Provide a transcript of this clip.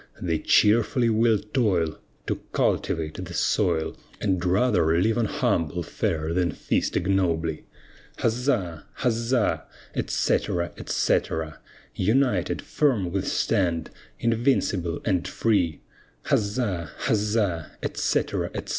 They cheerfully will toil, To cultivate the soil, And rather live on humble fare than feast ignobly. Huzza! huzza! etc., etc. United, firm we stand, invincible and free, Huzza! huzza! etc., etc.